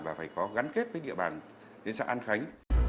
và phải có gắn kết với địa bàn với xã an khánh